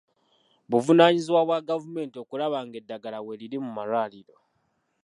Buvunaanyizibwa bwa gavumenti okulaba nga eddagala weeriri mu malwaliro.